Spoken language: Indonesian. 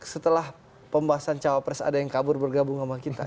setelah pembahasan cawapres ada yang kabur bergabung sama kita